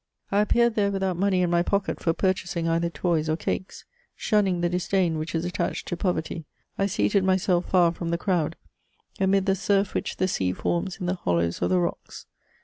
I appeared there without money in my pocket for purchasing either toys or cakes. Shunning the disdain which is attached to poverty, I seated myself far from the crowd, amid the surf which the sea forms in the hollows of the rocks.